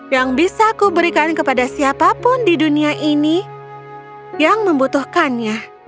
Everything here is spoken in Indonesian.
yang bisa aku berikan kepada siapapun di dunia ini yang membutuhkannya